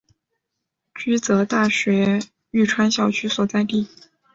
驹泽大学玉川校区所在地。